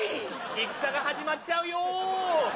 戦が始まっちゃうよ。